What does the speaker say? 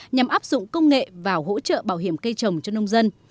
nhằm áp dụng công nghệ và hỗ trợ bảo hiểm cây trồng cho nông dân